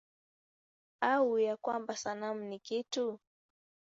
Au ya kwamba sanamu ni kitu?